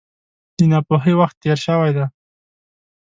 د ناپوهۍ وخت تېر شوی دی.